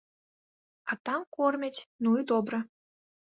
А там кормяць, ну і добра.